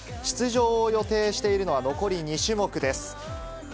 出場を予定しているのは残り２種目です。